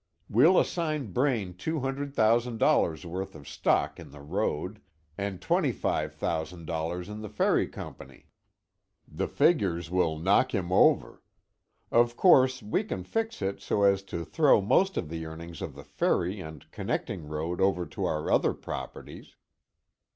We'll assign Braine two hundred thousand dollars' worth of stock in the road, and twenty five thousand dollars in the ferry company. The figures will knock him over. Of course, we can fix it so as to throw most of the earnings of the ferry and connecting road over to our other properties.